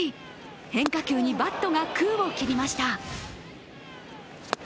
変化球にバットが空を切りました。